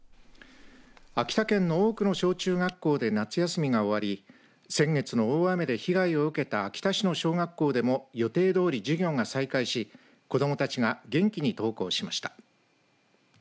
秋田県の多くの小中学校で夏休みが終わり先月の大雨で被害を受けた秋田市の小学校でも予定どおり授業が再開し子どもたちが元気に登校しました。